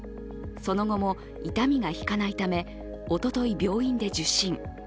その後も痛みが引かないため、おととい、病院で受診。